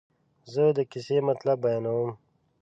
زه د کیسې مطلب بیانوم.